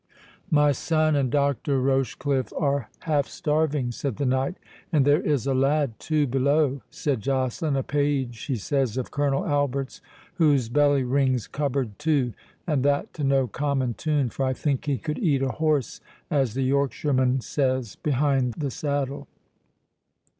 "My son and Dr. Rochecliffe are half starving," said the knight. "And there is a lad, too, below," said Joceline; "a page, he says, of Colonel Albert's, whose belly rings cupboard too, and that to no common tune; for I think he could eat a horse, as the Yorkshireman says, behind the saddle.